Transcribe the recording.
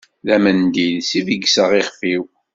D amendil s i begseɣ ixf-iw.